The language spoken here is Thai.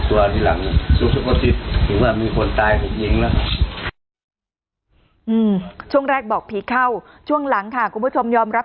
ช่วงแรกบอกผีเข้าช่วงหลังค่ะคุณผู้ชมยอมรับ